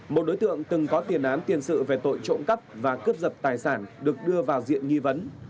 một đối tượng từng có tiền án tiền sự về tội trộm cắp và cướp giật tài sản được đưa vào diện nghi vấn